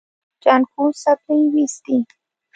جانکو څپلۍ وېستې.